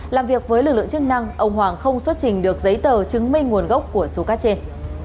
làm việc với lực lượng chức năng ông hoàng không xuất trình được giấy tờ chứng minh nguồn gốc của số cát trên